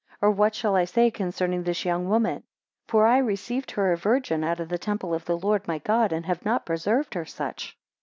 or, what shall I say concerning this young woman? 3 For I received her a Virgin out of the temple of the Lord my God, and have not preserved her such!